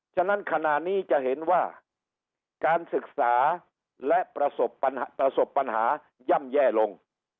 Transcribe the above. ฉะนั้นขณะนี้จะเห็นว่าการศึกษาและประสบปัญหาย่ำแย่ลง